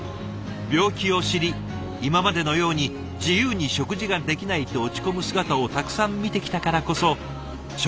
「病気を知り今までのように自由に食事ができないと落ち込む姿をたくさん見てきたからこそ食事を諦めないでほしい。